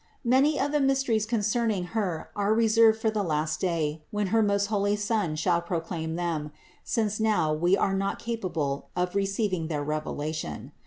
Many of the mysteries concerning Her are reserved for the last day, when her most holy Son shall proclaim them, since now we are not THE INCARNATION 51 capable of receiving their revelation.